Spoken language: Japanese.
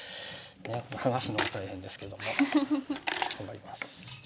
これはがすのも大変ですけども頑張ります。